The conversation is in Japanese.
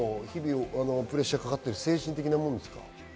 プレッシャーがかかっている精神的なものですか？